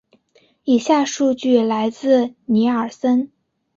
以下数据来自尼尔森。